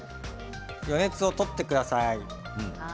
余熱を取ってください。